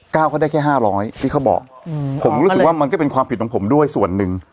ก็ได้แค่ห้าร้อยที่เขาบอกอืมผมรู้สึกว่ามันก็เป็นความผิดของผมด้วยส่วนหนึ่ง